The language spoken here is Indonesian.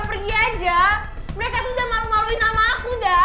soalnya mereka udah malu maluin nama aku dad